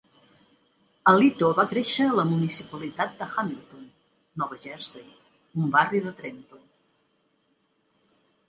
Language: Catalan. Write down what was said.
Alito va créixer a la municipalitat de Hamilton, Nova Jersey, un barri de Trenton.